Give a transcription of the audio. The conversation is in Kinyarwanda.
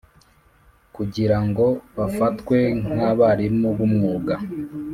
Kugira ngo bafatwe nk abarimu b umwuga